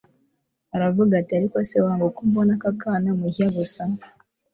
aravuze ati ariko se wangu, ko mbona aka kana mujya gusa